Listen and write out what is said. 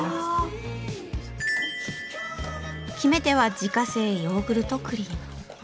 決め手は自家製ヨーグルトクリーム。